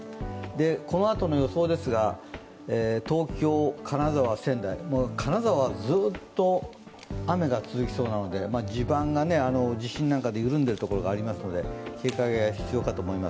このあとの予想ですが東京、金沢、仙台、金沢はグッと雨が続きそうなので地盤が地震などで緩んでいるところもありますので警戒は必要です。